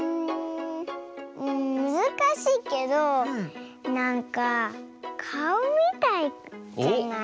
んむずかしいけどなんかかおみたいじゃない？